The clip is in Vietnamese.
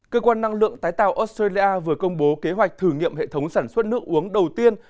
cơ quan năng lượng tái tạo australia vừa công bố kế hoạch thử nghiệm hệ thống sản xuất nước uống đầu tiên